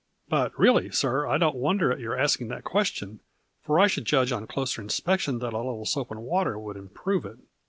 But really, sir, I don't wonder at your asking that question, for I should judge on closer inspection that a little soap and water would improve it."